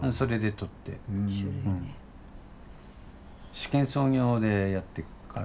試験操業でやってっから。